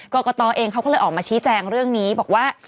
กรกตเองเขาก็เลยออกมาชี้แจงเรื่องนี้บอกว่า